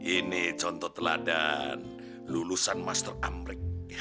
ini contoh teladan lulusan master amrik